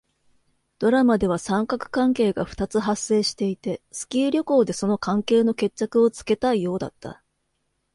ドラマでは三角関係が二つ発生していて、スキー旅行でその関係の決着をつけたいようだった。